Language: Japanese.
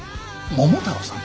桃太郎さん？